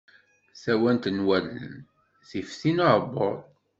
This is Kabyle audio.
Tawant n wallen, tif tin uɛebbuḍ.